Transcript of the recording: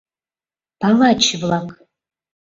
— Палач-влак!..